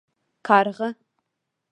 🐦⬛ کارغه